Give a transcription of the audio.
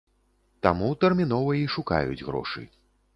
Таму тэрмінова і шукаюць грошы.